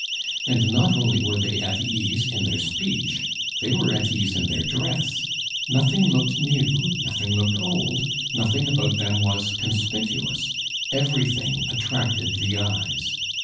And not only were they at ease in their speech, they were at ease in their dress, nothing looked new, nothing looked old, nothing about them was conspicuous, everything attracted the eyes.